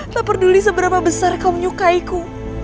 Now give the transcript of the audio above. tak peduli seberapa besar kau menyukaiku